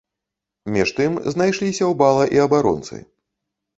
Між тым, знайшліся ў бала і абаронцы.